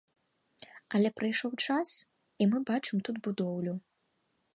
Але прайшоў час, і мы бачым тут будоўлю.